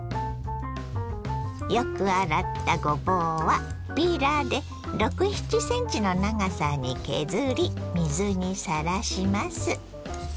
よく洗ったごぼうはピーラーで６７ｃｍの長さに削り水にさらします。